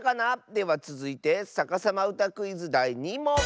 ではつづいて「さかさまうたクイズ」だい２もん。